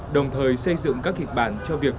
đồng thời xây dựng các hịch bản